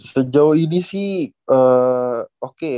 sejauh ini sih oke